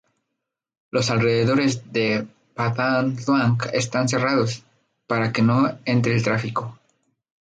Los alrededores de Pha That Luang están cerrados, para que no entre el tráfico.